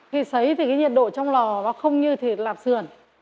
khi xấy thì cái nhiệt độ trong lò nó không như thịt lạp sườn